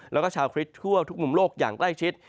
แล้วก็ชาวคริสต์ทั่วทุกมุมโลกอย่างใกล้ชิด